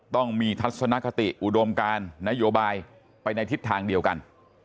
ต้องมีทัศนคติอุดมการนโยบายไปในทิศทางเดียวกัน